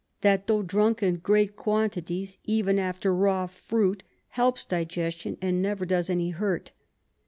_] the Water, that tho drunk in great quantities even after raw Fruit, helps Digestion, and never does any hurt.